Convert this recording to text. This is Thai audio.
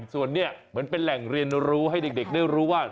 ส่วนนี้เหมือนเป็นแหล่งเรียนรู้ให้เด็กได้รู้ว่า